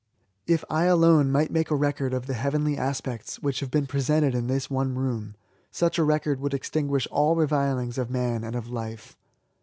If I alone might make a record of the heavenly aspects whicli have been presented in this one room, such a record would extinguish all revilings of man and of life.